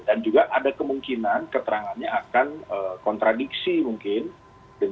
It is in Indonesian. dan juga ada kemungkinan keterangannya akan kontradiksi mungkin dengan empat terdakwa lain